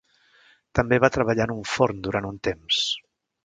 També va treballar en un forn durant un temps.